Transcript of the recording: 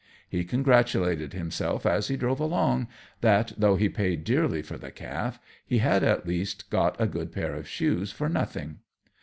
He congratulated himself, as he drove along, that, though he paid dearly for the calf, he had, at least, got a good pair of shoes for nothing.